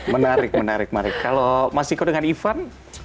menarik menarik kalau mas ciko dengan ivan